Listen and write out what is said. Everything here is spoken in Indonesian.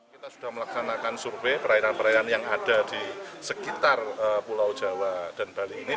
kita sudah melaksanakan survei perairan perairan yang ada di sekitar pulau jawa dan bali ini